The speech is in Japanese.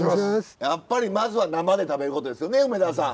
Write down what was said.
やっぱりまずは生で食べることですよね梅沢さん。